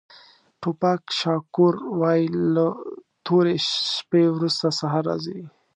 ټوپاک شاکور وایي له تورې شپې وروسته سهار راځي.